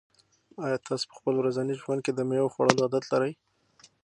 آیا تاسو په خپل ورځني ژوند کې د مېوو خوړلو عادت لرئ؟